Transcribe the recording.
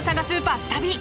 バス旅。